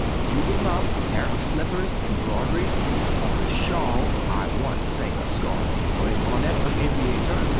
You will love a pair of slippers embroidered, or a shawl (I want say a scarf) or a bonnet of aviator?